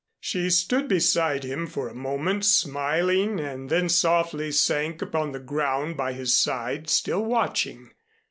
She stood beside him for a moment, smiling, and then softly sank upon the ground by his side, still watching.